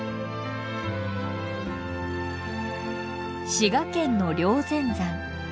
滋賀県の霊仙山。